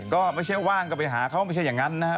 ก็ไม่ใช่ว่างก็ไปหาเขาไม่ใช่อย่างนั้นนะครับ